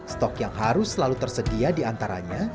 stok yang harus selalu tersedia di antaranya